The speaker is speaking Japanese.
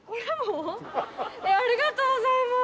ありがとうございます。